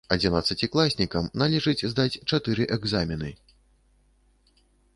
Адзінаццацікласнікам належыць здаць чатыры экзамены.